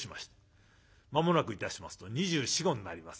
間もなくいたしますと２４２５になります